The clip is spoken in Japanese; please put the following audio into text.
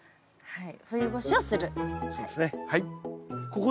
はい。